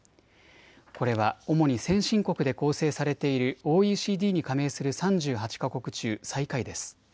これは主に先進国で構成されているＯＥＣＤに加盟する３８か国中最下位です。